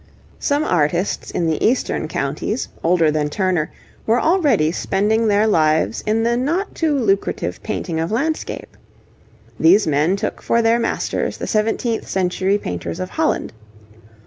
Some artists in the eastern counties, older than Turner, were already spending their lives in the not too lucrative painting of landscape. These men took for their masters the seventeenth century painters of Holland.